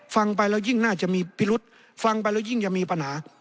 ฟังไปเรายิ่งน่าจะมีปิรุษฟังไปเรายิ่งจะมีประหนา